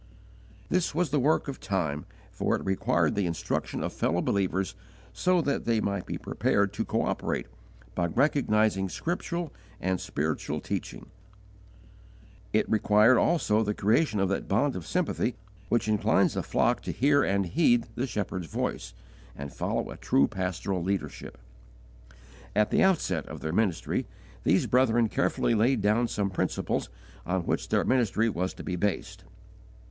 This was the work of time, for it required the instruction of fellow believers so that they might be prepared to cooperate, by recognizing scriptural and spiritual teaching; it required also the creation of that bond of sympathy which inclines the flock to hear and heed the shepherd's voice, and follow a true pastoral leadership. At the outset of their ministry, these brethren carefully laid down some principles on which their ministry was to be based.